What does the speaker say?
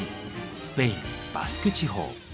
スペイン・バスク地方。